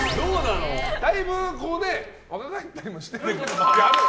だいぶ若返ったりもしているけど。